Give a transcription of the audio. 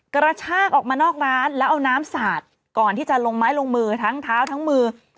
กระชากออกมานอกร้านแล้วเอาน้ำสาดก่อนที่จะลงไม้ลงมือทั้งเท้าทั้งมือ